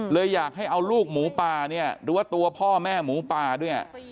อยากให้เอาลูกหมูป่าเนี่ยหรือว่าตัวพ่อแม่หมูป่าด้วย